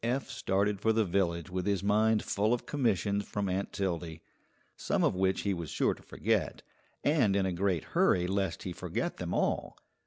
Eph started for the village with his mind full of commissions from Aunt Tildy, some of which he was sure to forget, and in a great hurry lest he forget them all.